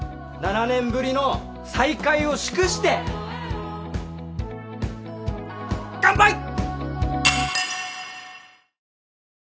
７年ぶりの再会を祝して乾杯！